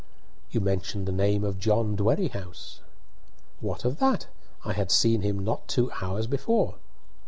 "You mentioned the name of John Dwerrihouse." "What of that? I had seen him not two hours before."